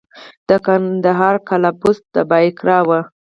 د کندهار قلعه بست د بایقرا وه